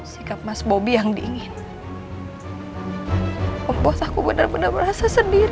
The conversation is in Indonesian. sikap mas bobby yang diingin membuat aku benar benar merasa sendiri